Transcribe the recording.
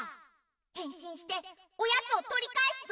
へんしんしておやつをとりかえすぞ！